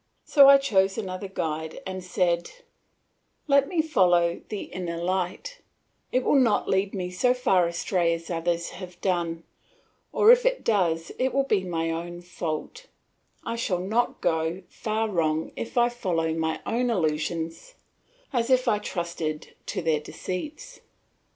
So I chose another guide and said, "Let me follow the Inner Light; it will not lead me so far astray as others have done, or if it does it will be my own fault, and I shall not go so far wrong if I follow my own illusions as if I trusted to their deceits."